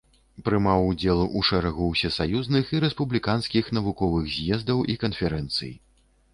Прымаў удзел у шэрагу усесаюзных і рэспубліканскіх навуковых з'ездаў і канферэнцый.